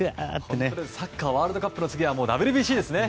サッカーワールドカップの次はＷＢＣですね。